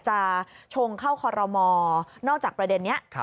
ชงเข้าคอรมอนอกจากประเด็นนี้